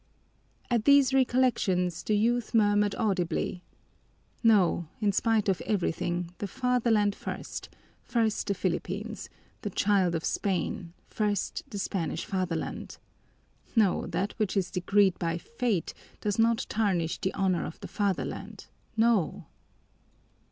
At these recollections the youth murmured audibly: "No, in spite of everything, the fatherland first, first the Philippines, the child of Spain, first the Spanish fatherland! No, that which is decreed by fate does not tarnish the honor of the fatherland, no!"